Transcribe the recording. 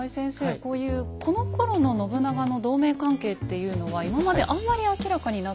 こういうこのころの信長の同盟関係っていうのは今まであんまり明らかになってないんでしょうか。